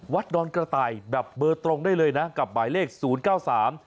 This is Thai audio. ดอนกระต่ายแบบเบอร์ตรงได้เลยนะกับหมายเลขศูนย์เก้าสาม